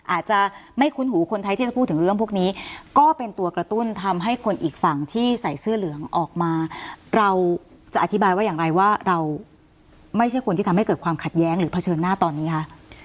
อาจจะไม่คุ้นหูคนไทยที่จะพูดถึงเรื่องพวกนี้ก็เป็นตัวกระตุ้นทำให้คนอีกฝั่งที่ใส่เสื้อเหลืองออกมาเราจะอธิบายว่าอย่างไรว่าเราไม่ใช่คนที่ทำให้เกิดความขัดแย้งหรือเผชิญหน้าตอนนี้คะ